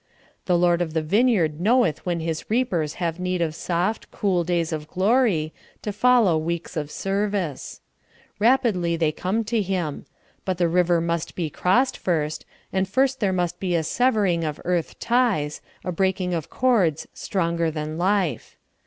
The Lord of the vineyard knoweth when his reapers have need of soft, cool days of glory, to follow weeks of service. Rapidly they come to him; but the river must be crossed first, and first there must be a severing of earth ties, a breaking of cords stronger than life.